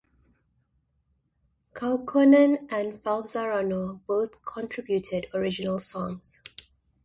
Kaukonen and Falzarano both contributed original songs.